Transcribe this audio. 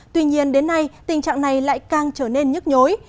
tuy nhiên đến nay tình trạng này lại càng trở nên nhức nhối